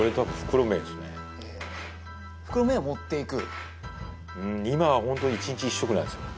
袋麺を持っていく？